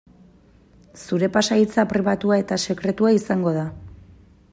Zure pasahitza pribatua eta sekretua izango da.